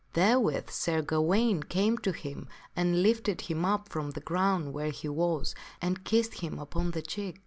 Therewith Sir Gawaine came to him and lifted him up from the ground where he was, and kissed him upon the cheek.